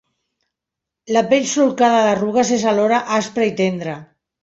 La pell solcada d'arrugues és alhora aspra i tendra.